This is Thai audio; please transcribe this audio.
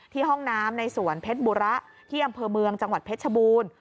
ห้องน้ำในสวนเพชรบุระที่อำเภอเมืองจังหวัดเพชรชบูรณ์